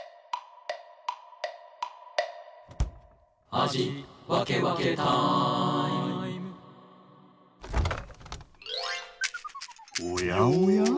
「あじわけわけタイム」おやおや？